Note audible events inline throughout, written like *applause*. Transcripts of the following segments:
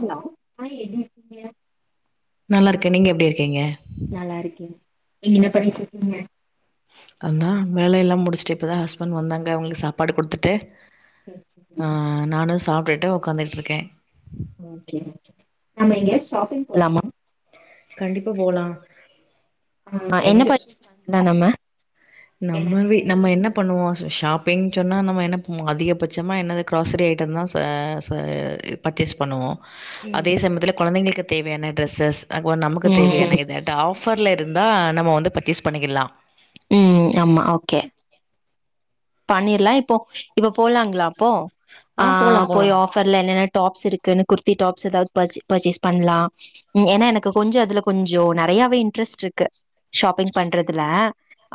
Hello ஆ எப்டி இருக்கிங்க நல்லா இருக்கே நீங்க எப்டி இருக்கீங்க எங்கெங்க படிக்க வக்கிறீங்க அதா வேல எல்லா முடிச் ச்சு இப்பதா ஹஸ்பண்ட் வந்தாங்க அவங்களுக்கு சாப்பாடு குடுத்துட்டு ஆ நானு சாப்டுட் டு ஒக்காந்துட்ருக்கே ஓகே ஓகே நம்ப எங்கயாவது ஷாப்பிங் போலாமா கண்டிப்பா போலாம். ஆமா என்ன பர்ச்சேஸ் பண்லா நம்ம நம்மவே நம்ம என்ன பண்ணுவோ ச ஷாப் பிங் சொன்னா நம்ம என்ன பண்ணுவோ அதிகபட்சமா என்னது கிராசரி ஐட்டந்தா ச ச இ பர்சேஸ் பண்ணுவோ ம் அதே சமயத்துல கொழந்தைங்களுக்கு தேவையான டிரெஸ்ஸஸ் *unintelligible* நமக்கு ம் தேவையான எது த ஆஃப் ஆஃபர்ல இருந்தா நம்ம வந்து பர்சேஸ் பண்ணிக்கிடலா ம் ஆம்மா ஓகே பண்ணிர்லா இப்போ இப்ப போலாங்களா அப்போ ஆ போலாம் போய் போலாம். ஆஃபர்ல என்ன டாப்ஸ் இருக்குன்னு குர்த்தி டாப்ஸ் ஏதாவது பர்ச்சே பர்ச்சேஸ் பண்லா ஏன்னா எனக்கு கொஞ்சோ இதுல கொஞ்சோ நறையாவே இன்ட்ரெஸ்ட்ருக்கு ஷாப்பிங் பண்றதுல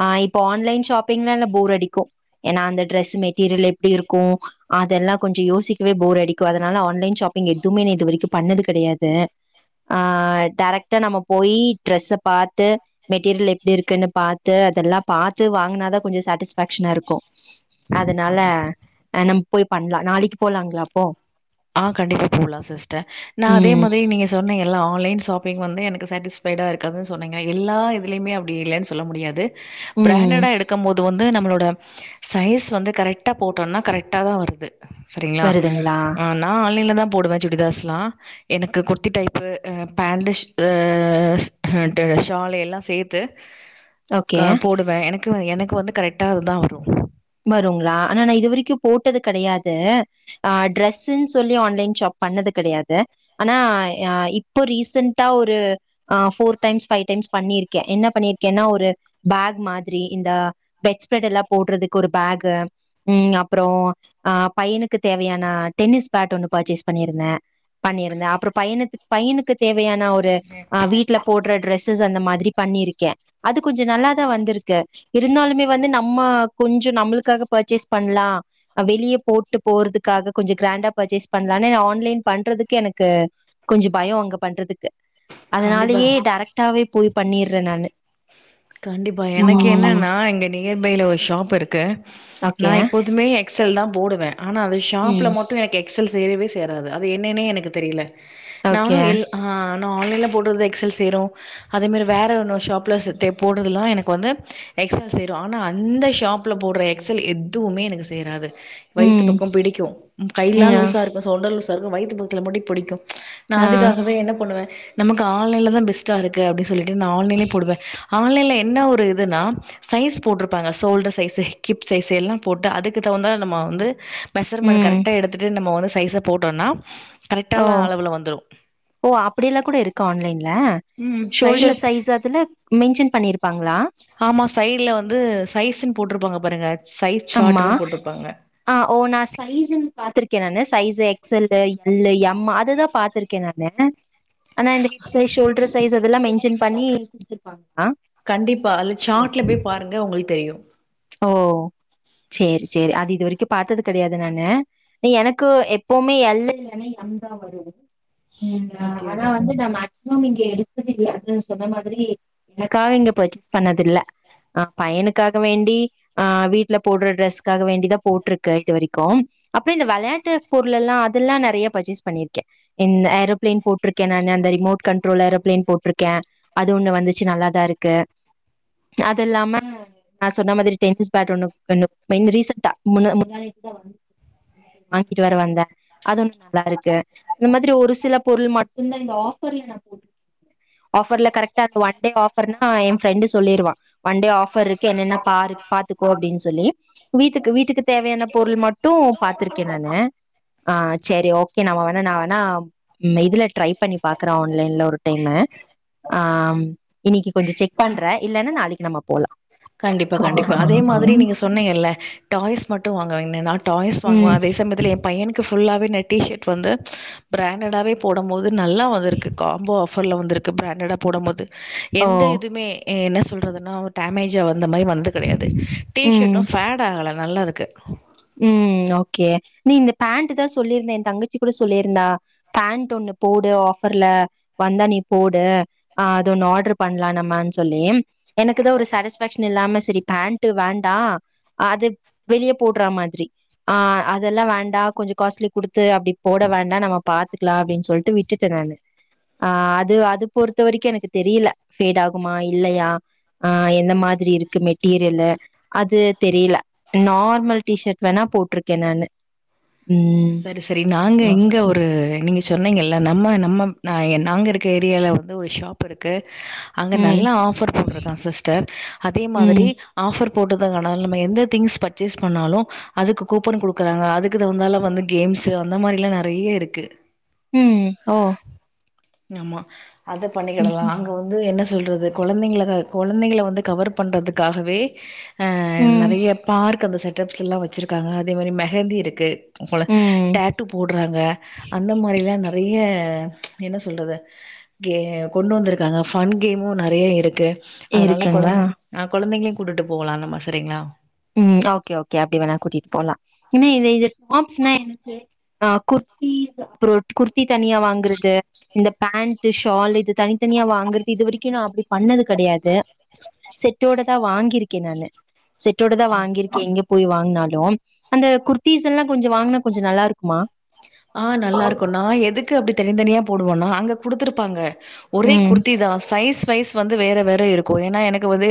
ஆ இப்போ ஆன்லைன் ஷாப்பிங்ல்ல போர் அடிக்கு ஏன்னா அந்த ட்ரெஸ் மெட்டீரியல் எப்டி இருக்கு அதெல்லா கொஞ்சோ யோசிக்கவே போர் அடிக்கு அதனால ஆன்லைன் ஷாப்பிங் எதுமே நா இது வரைக்கு பண்ணது கெடையாது ஆ டேரக்ட்டா நம்ம போயி ட்ரெஸ்ஸ பாத்து மெட்டீரியல் எப்டி இருக்குன்னு பாத்து அதெல்லா பாத்து வாங்கனாதா கொஞ்சோ சாட்டிஸ்பேக்க்ஷனா இருக் அதனால ஆ நம் போய் பண்லா நாளைக்கி போலாங்களா அப்போ ஆ கண்டிப்பா போலா சிஸ்டர் நா அதே ம் மாரி நீங்க சொன்னிங்க ல்ல ஆன்லைன் ஷாப்பிங் வந்து எனக்கு சாட்டிஸ்ஃபைடா இருக்காதுன்ன சொன்னீங்க எல்லா இதுலயுமே அப்படி இல்லன்னு சொல்ல முடியாது ம் பிராண்டடா எடுக்கும்போது அது வந்து நம்மளோட சைஸ் வந்து கரெக்டா போட்டோன்னா கரெக்டா தா வருது சரிங்களா வருதுங்களா நா ஆன்லைன்ல தா போடுவே சுடிதாஸ்லா எனக்கு குர்த்தி டைப்பு ஆ பேண்டுஷ் ஆ ஸ் ஆ டு ஷால் எல்லா சேத்து ஓகே க போடுவே எனக் க்கு எனக்கு வந்து கரெட்டா வந்தா வரு வருங்லா ஆனா இது வரிக்கு போட்டது கெடையாது அ ட்ரெஸ்னு சொல்லி ஆன்லைன் ஷாப் பண்ணது கெடையாது ஆனா இப்போ ரிசென்ட்டா ஒரு ஃபோர் டைம்ஸ் ஃபைவ் டைம்ஸ் பன்னிருக்கே என்ன பண்ணிருக்கேனா ஒரு பேக் மாதிரி இந்த பெட்ஸ்ஃப்டெல்லா போடுறதுக் கு ஒரு பேக்கு ம் அப்பறோ பையனுக்கு தேவையான டென்னிஸ் பேட் ஒன்னு பர்ச்சேஸ் பண்ணிருந்த பண்ணிருந்த அப்பறோ பையுனுத் பையுனுத்துக் தேவையான ஒரு அ வீட்டுல போடுற டிரெஸ்ஸஸ் அந்த மாதிரி பண்ணிருக்க அது கொஞ்ச நல்லாதா வந்துருக்கு இருந்தாலுமே வந்து நம்ம கொஞ்ச நம்மளுக்காக பர்ச்சேஸ் பண்லா வெளியப் போட்டு போறதுக்காக கொஞ்ச கிரேண்டா பர்ச்சேஸ் பண்லான்னு ஆன்லைன் பண்றதுக்கு எனக்கு கொஞ்சு பயோ அங்க பண்றதுக்கு கண்டிப்பா அதனாலயே டேரக்டாவே போய் பண்ணிற்ற நானு கண்டிப்பா எனக் ம் என்னன்னா எங்க நீ நியர்பையில ஒரு ஷாப் இருக்கு நா ஓகே எப்போதுமே எக்சல்தா போடுவ ஆனா அது ஷாப்ல ம் மட்டு எனக்கே எக்சல் சேரவே சேராது அது என்னன்னே எனக்கு தெரியில நானு ஓகே எல் ஆ நா ஆன்லைன்ல போடுறது எக்சல் சேரு அதே மாரி வேற இன்னொர் ஷாப்ல செ தெப் போடுறதுலா எனக்கு வந்து எக்சல் சேரு ஆனா அந்த ஷாப்ல போடுற எக்சல் எதுமே எனக்கு சேராது வயித்து ம் பக்கோம் பிடிக்கு கையில்லா ம் ஆ லூசா இருக்கு சோல்டர்ஸ் அதுவு வயித்து பக்கத்துல மட்டு புடிக்கு நா ஆ அதுக்காகவே என்ன பண்ணுவ நமக்கு ஆன்லைன்லதா பெஸ்ட்டா இருக்கு அப்டி சொல்லிட் டு நா ஆன்லைன்லயே போடுவ ஆன்லைல என்ன ஒரு இதுன்னா சைஸ் போட்ருப்பாங்க ஷோல்டர் சைசு ஹிப் சைசு எல்லா போட்டா அதுக்குத்தகுந்தா நம்ம வந்து மெஷர்மண்ட ம் கரெக்டா எடுத்துட்டு நம்ம ஒனஸ் சைச போட்டோன்னா ஓ ஓ அப்படியெல்லா கூட இருக்கா ஆன்லைன்ல ம் சைட்ல ஷோல்டர் சைஸ் அதுல மென்ஷன் பண்ணிருப்பாங்க ங்களா சைடுல வந்து சைஸ்ன் போட்டுருப்பாங்க பாருங்க சைஸ் அம்மா சார்ட்டுன்னு போட்ருப்பாங்க ஆ ஓ நா சைஸீன் பாத்துருக் க்கே நானு சைஸ் எக்சல்லு எல்லு எம் அதுதா பாத்துருக்கே நானு ஆனா இந்த ஹிப் சைஸ் ஷோல்டர் சைஸ் அதெல்லாம் மென் ஷன் பண்ணி குடுத்துருப்பாங்க கண்டிப்பா அது சாட்ல போய் பாருங்க உங்களுக்கு தெரியும் ஓ சேரி சேரி அது இது வரைக்கும் பா்த்தது கிடையாது நானு எனக்கு எப்பவுமே எல் இல்ன்னா எம் தான் வரு ஹம் ஓகே ஆனா ஓகே வந்து நான் இங்க எடுத்தத அப்படின்னு சொன்ன மாதிரி எனக்காக இங்க பர்ச்சேஸ் பண்ணதில்ல ஆஹ பையனுக்காக வேண்டி ஆஹ் வீட்டுல போடுற ட்ரெஸ்க்காக வேண்டிதான் போட்டிருக்கேன் இது வரைக்கும் அப்புறம் இந்த விளையாட்டு பொருள் எல்லாம் அதெல்லாம் நறைய பர்ச்சேஸ் பண்ணிருக்கேன் இந்த ஏரோப்பிளைன் போட்டிருக்கேன் நான் அந்த ரிமோட் கண்ட்ரோல் ஏரோப்பிளைன் போட்டிருக்கேன் அது ஒண்ணு வந்துச்சு நல்லாதான் இருக்கு அது இல்லாம நான் சொன்ன மாதிரி டென்னிஸ் பேட் ஒண்ணு ரிசென்ட்அ முந்தாநேத்து தான் வாங்கிட்டு வர வந்தேன் அது ஒண்ணு நல்லா இருக்கு அந்த மாதிரி ஒரு சில பொருள் மட்டும்தான் இந்த ஆபர்ல நான் போட்டுக்கேன் ஆபர்ல கரெகா அ ஒன்ட ஆபர்னா என் ரெண்டு சொல்லிடுவா ஒன்டே ஆபர் இருக்கு என்னென்ன பாரு அப்படின்னு சொல்லி வீட்டுக்கு வீட்டுக்கு தேவையான பொருள் மட்டும் ட்டும் பாத்துருக்கேன் நானு ஆஹ் செரி ஓகே நம்ம வேணா நான் வேணா இதுல ட்ரை பண்ணி பாக்குறே ஆன்லைன்ல ஒரு டைம் ஆஹ் இன்னைக்கு கொஞ்சம் செக் பண்றே இல்லன்னா நாளைக்கு நம்ம போலாம் கண்டிப்பா கண்டிப்பா அதே மாதிரி நீங்க சொன்னீங்கல்ல டா டாய்ஸ் மட்டும் வாங்காதிங்க நா டாய்ஸ் வாங்குவோம் ம் அதே சமயத்தில் என் பையனுக்கு ஃபுல்லாவே டி ஷர்ட் வந்து பிராண்டடாவே போடும் போது நல்லா வந்திருக்கு காம்போ ஆஃபர்ல வந்துருக்கு பிராண்டடா போடும் போது ஓ எந்த இதுவுமே என்ன சொ சொல்றதுன்னா அவ டேப் மேஜாவது இந்த மாதிரி வந்தது கிடையாது டி ம் ஷர்டும் ஃபேடு ஆகல நல்லா இருக்கு க்கு ம் ஓகே நீ இந்த பேண்ட் தா சொல்லியிருந்தா என் தங்கச்சி கூட சொல்லியிருந்தா பேண்ட் ஒண்ணு போடு ஆஃபர்ல வந்தா நீ போடு ஹ அது ஒண்ணு ஆர்டர் பண்ணலாம் நம்மனு சொல்லி எனக்கு தா ஒரு சாட்டிஸ்ஃபேக்ஷன் இல்லாம செரி பேண்ட் வேண்டா அது வெளியே போட் மாதிரி ஹ் அதெல்லாம் வேண்டாம் கொஞ்சம் காஸ்ட்லி குடுத்து அப்படி போட வேண்டாம் நம்ம பாத்துக்கலாம் அப்டின்னு சொல்லிட்டு விட்டுட்டே நானு அஹ அது அது பொறுத்த வரைக்கும் எனக்கு தெரியல பேடு ஆகுமா இல்லையா ஹ எந்த மாதிரி இருக்கு மெட்டீரியல்லு அது தெரியல நார்மல் டிஷர்ட் வேணா போட்டிருக்கேன் நானு ம் செரி செரி நாங்க இங்க ஒரு நீங்க சொன்னங்க இல்ல நம்ம நம்ம நாங்கள் இருக்க ஏரியாவில் வந்து ஒரு ஷாப் இருக்குது அங்க நல்ல ம் ஆஃபர் போட்டிருக்கான் சிஸ்டர் அதே மாதிரி ம் ஆஃபர் போட்டது நம்ம எந்த திங் பர்ச்சேஸ் பண்ணாலும் அதுக்கு கூப்பன் கொடுக்கறாங்க அதுக்கு தகுந்தால வந்து கேம்ஸு அந்த மாரிலாம் நெறைய இருக்கு ம் ஓ ஆமா அத ம் பண்ணிக்கிடலாம் அங்க வந்து என்ன சொல்றது குழந்தைங்கல குழந்தைங்கல வந்து கவர் பண்றதுக்காகவே ம் நெறைய பார்க் ந்த செட்ப்ஸ்ல எல்லாம் வச்சிருக்காங்க அதே மாதிரி மெஹந்தி இருக்கு ம் டாட்டு போடுறாங்க அந்த மாரிலாம் நெறைய என்ன சொல்றது கே கொண்டு வந்திருக்காங்க ஃபன் கேமும் நெறைய இருக்கு அதனால இருக்குங்களா கொழந்த ஆஹ் கொழந்தைங்க கூட்டிட்டு போகலாம் அந்த மாரி செரிங்களா ம் ஓகே ஓகே அப்படி வேணா கூட்டிட்டு போலாம் ஏன்ன இது டாப்ஸ்னா எனக்கு அ குர்தி அப்பறோம் த்தி தனியா வாங்குறது இந்த பேண்ட் ஷால் இது தனித்தனியா வாங்குறது இது வரைக்கும் நான் அப்படி பண்ணது கிடையாது செட்டோட தான் வாங்கியிருக்கேன் நானு செட் செட் டோடதா வாங்கிருக்கேன் போய் வாங்கினாலும் அந்த குர்த்தீஸ் எல்லாம் கொஞ்சம் வாங்கினா கொஞ்சம் நல்லா இருக்குமா ஆஹ் நல்லா இருக்கும் நா எதுக்கு அப்படி தனி தனியா போடுவோன்னா அங்கே கொடுத்துருப்பாங்க ஒரே ம் குர்த்தி தா சைஸ் சைஸ் வந்து வேறு வேறு இருக்கும் ஏன்னா எனக்கு வந்து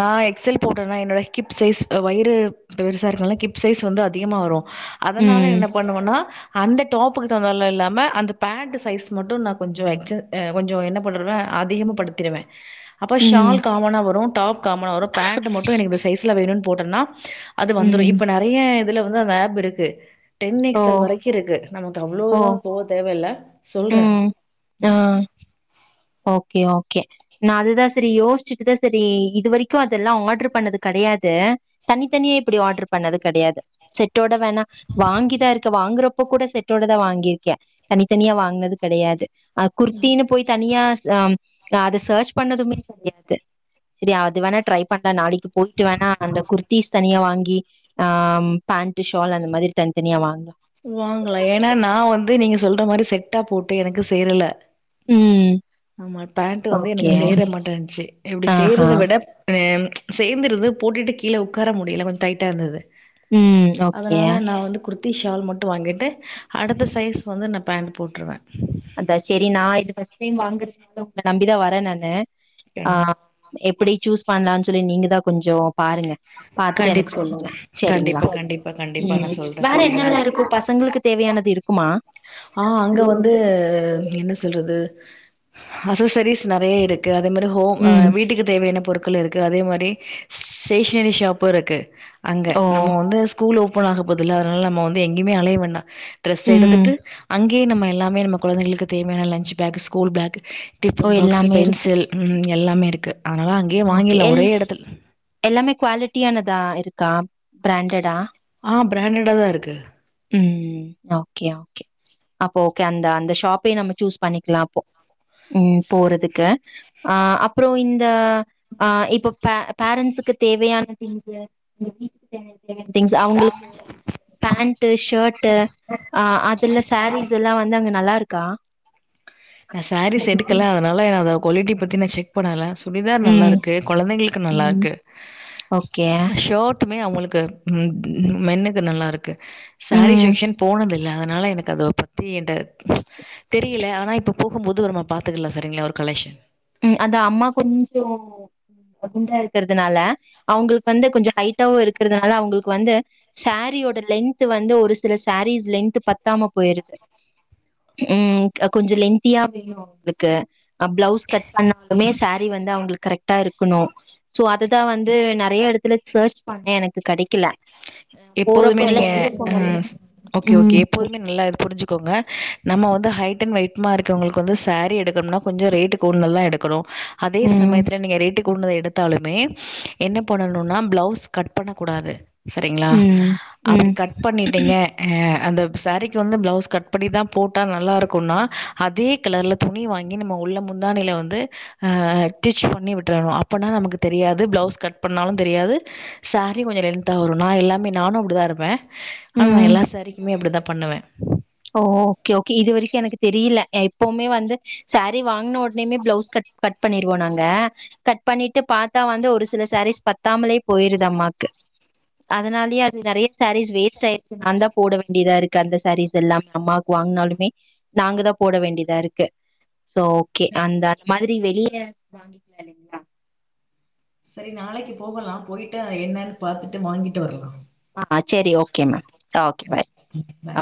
நான் எக்ஸல் போட்டேன்னா என்னோடய ஹிப் சைஸ் வயிறு இத்தோ பெருசா இருக்கனால ஹிப் சைஸ் வந்து அதிகமாக வரும் அதனால ம் என்ன பண்னுவேண்னா அந்த டாப்புக்கு தகுந்தலாம் இல்லாமல் அந்த பேண்ட சைஸ் மட்டும் நான் கொஞ்சம் எக்ச கொஞ்சம் என்ன பண்ணவேன் அதிகமாகப்படுத்திடுவேன் அப்ப ம் ஷால் காமனா வரும் டாப் காமன வரும் பேண்ட் மட்டும் எனக்கு சைஸ்ல வேணும்னு போட்டனா அது வந்துரூம் ம் இப்ப நெறைய அதுல வந்து ஆப் இருக்கு டென் ஓ எக்ஸ்எல் வரைக்கும் இருக்கு நமக்கு ஓ அவ்வளோவுல்லாம் போ தேவை ல்ல சொல்ற ம் ஆ உம் ஓகே ஓகே நான் அதுதான் செரி யோசிச்சுட்டுதான் செரி இது வரைக்கும் அதெல்லாம் ஆர்டரு பண்ணது கிடையாது தனித்தனியா இப்படி ஆர்டரு பண்ணது கிடையாது செட்டோட வேணா வாங்கிதான் இருக்க வாங்குறப்போ கூட செட்டோட தான் வாங்கிருக்கேன் தனித்தனியா வாங்குனது கிடையாது ஆ குர்த்தீனு போய் தனியா அத சர்ச் பண்ணதுமே கெடையாது செரி அது வேணா ட்ரை பண்ணலாம் நாளைக்கு ப்ப போயிட்டு வேணா அந்த குர்த் பீஸ் தனியா வாங்கி ஆஹ் பேண்ட் ஷால் அந்த மாரி தனித்தனியா வாங்கனும் வாங்களலாம் ஏன்னா நான் வந்து நீங்க சொல் மாதிரி செட்டா போட்டு எனக்கு சேரல ம் ஆமா பேண்ட் வந்து எனக்கு ஓகே சேர மாட்டேந்ச்சு இப்டி ஆஹா செர்றதை விட அஹ் சேர்ந்துருது போட்டுட்டு கீழ ஒக்கார முடியல கொஞ்ச டைட்டா இருந்தது உம் ஓகே அதனால நா வந்து குர்த்தி ஷால் மட்டு வாங்கிட்டு அடுத்த சைஸ் வந்து நா பேண்டு போட்டுருவ அதா சேரி நா இது ஃபஸ்ட் டைம் வாங்குறதுனால உங்கள நம்பிதா வர நானு ஆ கண் எப்படி சூஸ் பண்லான் சொல்லி நீங்கதா கொஞ்சோ பாருங்க பாத்துட்டு கண்டிப் எனக்கு சொல்லுங்க சேரிங்களா கண்டிப்பா கண்டிப்பா கண்டிப்பா நா ம் சொல்றே வேற சரிங்களா என்னெல்லா இருக்கு பசங்களுக்கு தேவையானது இருக்குமா ஆ அங்க வந்து து என்ன சொல்றது அசோசரிஸ் நறைய இருக்கு அதே மாரி ஹோம் ம் வீட்டுக்கு தேவையான பொருட் கள் இருக்கு அதே மாரி ஸ்டேஷனரி ஷாப்பு இருக்கு அங்க ஓ நம்ம வந்து ஸ்கூல்லோப் ஓப்பனாக போதுல்ல அதனால நம்ம வந்து எங்யுமே அலைய வேண்டா டிரஸ் ம் எடுத்துட் அங்யே நம்ம எல்லாமே நம்ம கொழந்தைங்களுக்கு தேவையான லன்ச் பேக் ஸ்கூல் பேக் ஓ டிபன் பாக்ஸ்சு எல்லாமே இருக்கு பென்சில் ம் எல்லாமே இருக்கு அதனால அங்கேயே ஓகே வாங்கிட்லா எல் ஒரே எடத்துல எல்லாமே குவாலிட்டியானதா இருக் கா பிராண்டடா ஆ பிராண்டடாதா இருக்கு ம் ஓகே ஓகே அப்போ ஓகே அந்த அந்த ஷாப்பே நம்ம சூஸ் பண்ணிக்லா அப்போ ம் போறதுக்கு ஆ அப்பறோ இந்த ஆ இப்ப பே பேரண்ட்ஸுக்கு தேவையான திங்ஸ்சு இந்த வீட்டுக்கு தேவையா ன திங்ஸு அவங்களுக்கு பேண் ஷோர்டு அ அதுல்ல ஸ்சேரீஸ் எல்லா வந் வந்து அங்க நல்லா இருக்கா நா சேரீஸ் எடுக்கல அதனால அத கொலட்டிப் பத்தி நா செக் பண்ணலஸ் சுடிதார் நல்லா ம் இருக்கு கொழந்தைங்களுக்கு நல்லா ம் இருக்கு ஓகே ஷோட் மட்டுமே அவங்களுக்கு ம் மென்னுக்கு நல்லா இருக் து சேரீ ம் செக்க்ஷன் போனதில் இல்ல அதனால எனக்கு அத பத்தி என்ட தெரியல ஆனா இப்போ போகும்போது ஒருமா பாத்ததில்ல சரிங்களா ஒரு கலெக்க்ஷன் ம் அந்த அம்மா கொஞ்சோ குண்டா இருக்குறதுனால அவங்களுக்கு வந்து கொஞ்ச ஹைட்டாவு இருக்குறதுனால அவங்களுக்கு வந்து சேரீயோட லென்த் வந்து ஒரு சில சேரீஸ் லென்த் பத்தாம போயிருது ம் கொஞ்ச லென்தியா வேணு அவங்களுக்கு பிளவுஸ் கட் மே ஸாரீ வந்து அவங்களுக்கு கரெக்ட்டா இருக்கணும் சோ அதுதான் வந்து ந நெறைய இடத்துல சர்ச் பண்ண எனக்கு கெடைக்கல போறப்போ எப்போதுமே எல்லா நீங்க எங்க ஆஹ போனாலுமே ஓகே ஓகே ம் சரி எப்போதுமே நல்லா இது புரிஞ்சுக்கோங்க நம்ம வந்து ஹைட் அண்ட் வெயிட் இருக்கவங்களுக்கு வந்து சாரீ எடுக்கணோம்னா கொஞ்சம் ரேட்டு் கூடுதலதான் எடுக்கணும் அதே ம் சமயத்தில்ல நீங்க ரேட்டுக்கு கூடுனுதை எடுத்தாலுமே என்ன பண்ணணும்னா பிளவுஸ் கட் பண்ணக்கூடாது சரிங்களா ம் அப்படி ம் கட் பண்ணிட்டீங்க அஹ அந்த சேரீக்கு வந்து பிளவுஸ் கட் பண்ணி தான் போட்டால் நல்லா இருக்கும்னா அதே கலரில் துணி வாங்கி நம்ம உள்ள முந்தாணியில வந்து அஹ ஸ்டிச் பண்ணி விட்டுரணும் அப்போனா நமக்கு தெரியாது பிளவுஸ் கட் பண்ணாலும் தெரியாது சேரீ கொஞ்சம் லென்த்தாக வரும் நா எல்லாமே நானும் அப்படி தான் இருப்பேன் ஆனா ந ம் எல்லா சாரிக்குமே அப்படித்தான் பண்ணுவேன் ஓ ஓகே ஓகே இது வரைக்கும் எனக்கு தெரியல எப்பவுமே வந்து சாரீ வாங்கின உடனேுமே பிளவுஸ் கட் கட் பண்ணிருவோம் நாங்க கட் பண்ணிட்டு பார்த்தா வந்து ஒரு சில சாரீஸ் பத்தாமலே போயிருது அம்மாக்கு அதனாலயே அது நெறைய சாரீஸ் வேஸ்ட் ஆயிருச்சு நான் தான் போட வேண்டியதா இருக்கு அந்த சாரீஸ் எல்லாமே அம்மாவுக்கு வாங்கினாலுமே நாங்க தான் போட வேண்டியதா இருக்கு சோ ஓகே அந்த மாரி வெளியே வாங்கிக்கலாம் இல்லைங்கிளா செரி நாளைக்கு போகலாம் போயிட்டு என்னன்னு பாத்துட்டு வாங்கிட்டு வரலாம் ஆஹ் செரி ஓகே மேம் ஓகே பாய் பாய்.